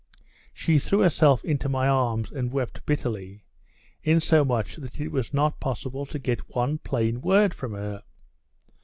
She threw herself into my arms, and wept bitterly, insomuch that it was not possible to get one plain word from her.